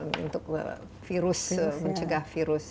untuk virus mencegah virus